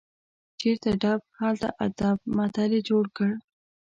چیرته ډب، هلته ادب متل یې جوړ کړ.